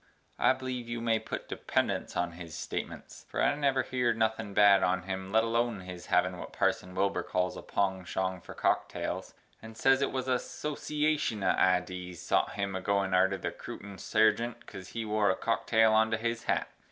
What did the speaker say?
I bleeve yu may put dependunts on his statemence. For I never heered nothin bad on him let Alone his havin what Parson Wilbur cals a pongshong for cocktales, and ses it wuz a soshiashun of idees sot him agoin arter the Crootin Sargient cos he wore a cocktale onto his hat.